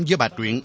với bà truyền